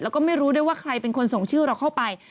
แล้วก็ไม่รู้ด้วยว่าใครเป็นคนส่งชื่อเราเข้าไป